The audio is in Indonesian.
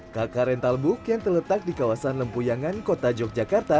kk rental book yang terletak di kawasan lempuyangan kota yogyakarta